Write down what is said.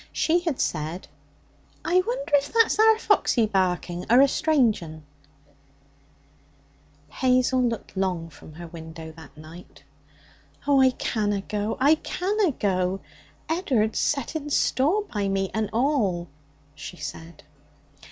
She had said: 'I wonder if that's our Foxy barking, or a strange 'un?' Hazel looked long from her window that night. 'Oh, I canna go! I canna go! Ed'ard setting store by me and all!' she said.